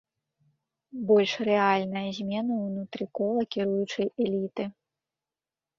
Больш рэальная змена ўнутры кола кіруючай эліты.